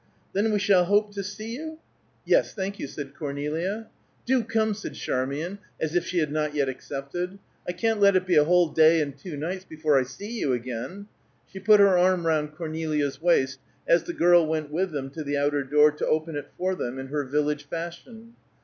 "Then we shall hope to see you?" "Yes, thank you," said Cornelia. "Do come!" said Charmian, as if she had not yet accepted. "I can't let it be a whole day and two nights before I see you again!" She put her arm round Cornelia's waist, as the girl went with them to the outer door, to open it for them, in her village fashion.